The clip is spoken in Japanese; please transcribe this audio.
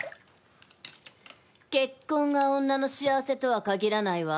結婚が女の幸せとは限らないわ。